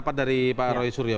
baik pak roy surya